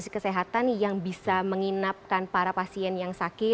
kesehatan yang bisa menginapkan para pasien yang sakit